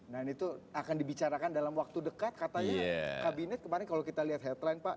nah itu akan dibicarakan dalam waktu dekat katanya kabinet kemarin kalau kita lihat headline pak